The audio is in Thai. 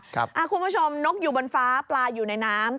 คุณผู้ชมนกอยู่บนฟ้าปลาอยู่ในน้ำ